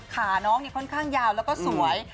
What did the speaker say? ขาน้องค่อนข้างยาวแล้วก็สวย